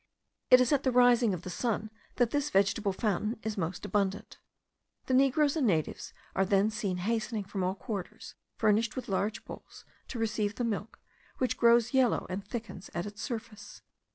It is at the rising of the sun that this vegetable fountain is most abundant. The negroes and natives are then seen hastening from all quarters, furnished with large bowls to receive the milk, which grows yellow, and thickens at its surface.